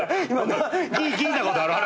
聞いたことある話。